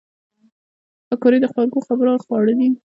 پکورې د خوږو خبرو خواړه دي